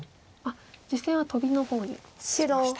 実戦はトビの方に打ちました。